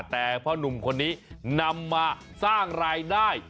แต่พ่อนุ่มคนนี้นำมาสร้างรายได้